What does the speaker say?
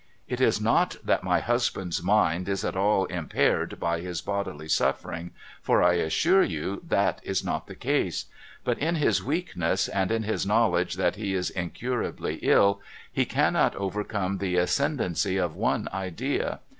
It is not that my husband's mind is at all impaired by his bodily suffering, for I assure you that is not the case. But in his weakness, and in his knowledge that he is incurably ill, he cannot overcome the ascendency of one idea.